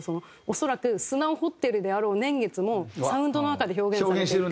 恐らく砂を掘ってるであろう年月もサウンドの中で表現されてて。